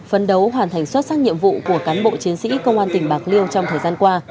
phấn đấu hoàn thành xuất sắc nhiệm vụ của cán bộ chiến sĩ công an tỉnh bạc liêu trong thời gian qua